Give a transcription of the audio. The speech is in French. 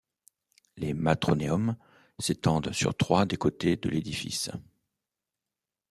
Les matroneums s'étendent sur trois des côtés de l'édifice.